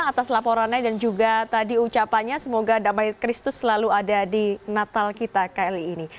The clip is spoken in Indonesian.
atas laporannya dan juga tadi ucapannya semoga damai kristus selalu ada di natal kita kali ini